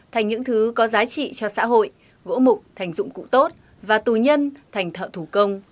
thành những thứ có giá trị cho xã hội gỗ mục thành dụng cụ tốt và tù nhân thành thợ thủ công